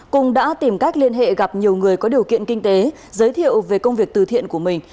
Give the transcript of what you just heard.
cung đã tìm cách liên hệ gặp nhiều người có điều kiện kinh tế giới thiệu về công việc từ thiện của mình